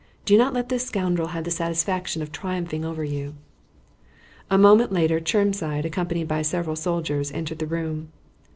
"Do not let this scoundrel have the satisfaction of triumphing over you." A moment later Chermside, accompanied by several soldiers, entered the room.